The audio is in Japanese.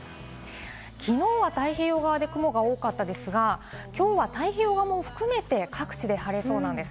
昨日は太平洋側で雲が多かったですが、今日は太平洋側も含めて各地で晴れそうなんです。